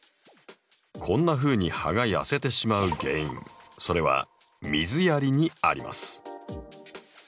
こんなふうに葉が痩せてしまう原因それは水やりにあります。